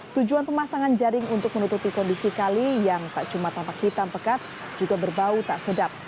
tujuan pemasangan jaring untuk menutupi kondisi kali yang tak cuma tampak hitam pekat juga berbau tak sedap